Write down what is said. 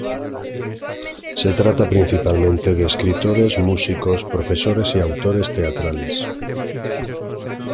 Se trata principalmente de escritores, músicos, profesores y autores teatrales.